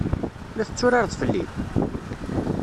La tetturareḍ fell-i?